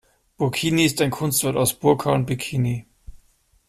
Burkini ist ein Kunstwort aus Burka und Bikini.